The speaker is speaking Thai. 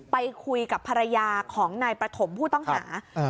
ไปคุยกับภรรยาของนายประถมผู้ต้องหา